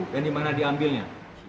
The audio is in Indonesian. dan di mana diambilnya